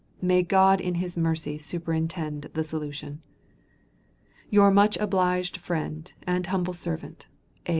May God in his mercy superintend the solution. Your much obliged friend, and humble servant, A.